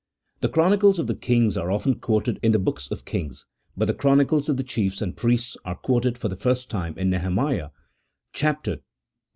The chronicles of the kings are often quoted in the hooks of Kings, but the chronicles of the chiefs and priests are quoted for the first time in Nehemiah xii.